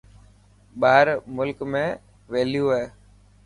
ٻاهر ملڪ ۾ ويليو هي.